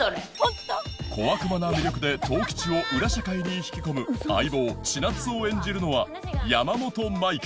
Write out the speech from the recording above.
小悪魔な魅力で十吉を裏社会に引き込む相棒ちなつを演じるのは山本舞香